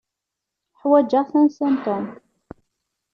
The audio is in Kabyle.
Ḥwaǧeɣ tansa n Tom.